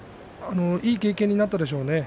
いい経験になったでしょうね。